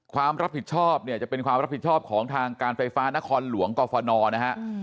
ความรับผิดชอบเนี่ยจะเป็นความรับผิดชอบของทางการไฟฟ้านครหลวงกรฟนนะฮะ